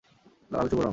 লাল শুভ রঙ।